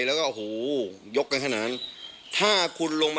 แล้วก็โหยกกันขนาดนั้น